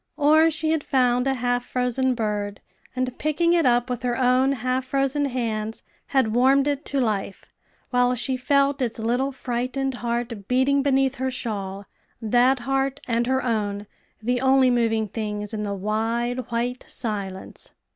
Or she had found a half frozen bird, and, picking it up with her own half frozen hands, had warmed it to life, while she felt its little frightened heart beating beneath her shawl that heart and her own the only moving things in the wide, white silence.